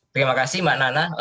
terima kasih mbak nana